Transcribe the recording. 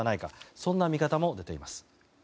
そんな見方も出ています。